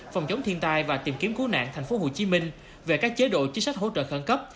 phòng chống thiên tai và tìm kiếm cứu nạn tp hcm về các chế độ chính sách hỗ trợ khẩn cấp